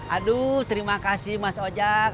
aduh terima kasih mas ojek